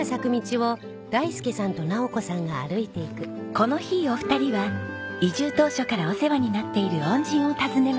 この日お二人は移住当初からお世話になっている恩人を訪ねました。